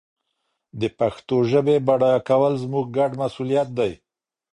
د پښتو ژبي بډایه کول زموږ ګډ مسؤلیت دی.